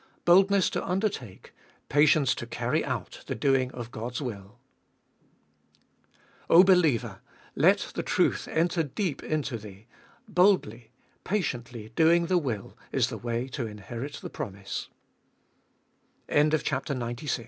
Boldness to undertake, patience to carry out the doing of God's will. 3. 0 believer, let the truth enter deep into thee— boldly, patiently doing the will is the way to inherit the p